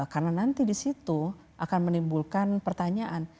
karena nanti disitu akan menimbulkan pertanyaan